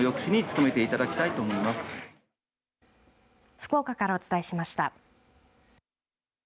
福岡からお伝えしました。